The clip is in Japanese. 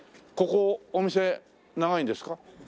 ここお店長いんですか？